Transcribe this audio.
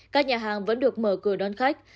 các nhà hàng vẫn được mở cửa đón khách